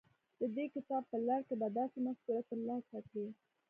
د دې کتاب په لړ کې به داسې مفکوره ترلاسه کړئ.